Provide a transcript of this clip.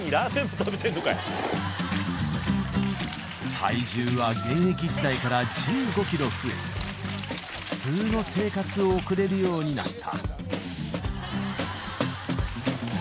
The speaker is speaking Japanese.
体重は現役時代から１５キロ増え、普通の生活を送れるようになった。